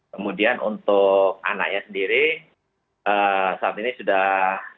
kemudian untuk anaknya sendiri saat ini sudah